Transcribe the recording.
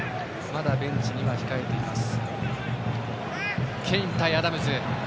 まだベンチに控えています。